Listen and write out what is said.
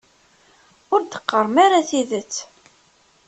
Ur d-qqarem ara tidet.